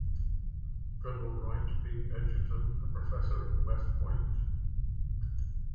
Colonel Wright P. Edgerton, a professor at West Point.